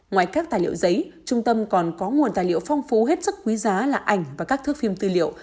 ngoài các tài liệu giấy trung tâm còn có nguồn tài liệu phong phú hết sức quý giá là ảnh và các thước phim tư liệu